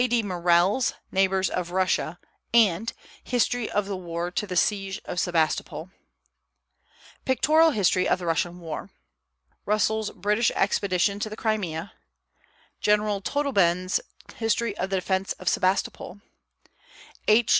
D. Morell's Neighbors of Russia, and History of the War to the Siege of Sebastopol; Pictorial History of the Russian War; Russell's British Expedition to the Crimea; General Todleben's History of the Defence of Sebastopol; H.